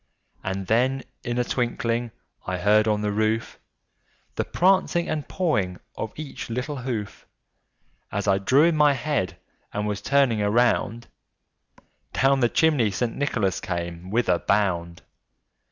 And then, in a twinkling, I heard on the roof The prancing and pawing of each little hoof. As I drew in my head, and was turning around, Down the chimney St. Nicholas came with a bound.